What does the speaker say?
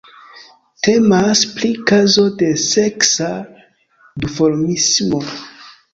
Temas pri kazo de seksa duformismo.